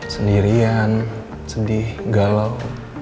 sendirian sedih galau